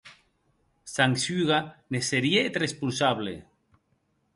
Sangsuga ne serie eth responsable.